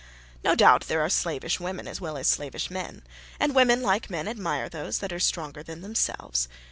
No doubt there are slavish women as well as slavish men; and women, like men, admire those that are stronger than themselves.